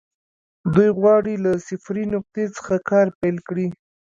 دوی غواړي له صفري نقطې څخه کار پيل کړي.